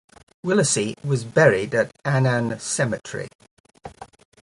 Willacy was buried at Annan Cemetery.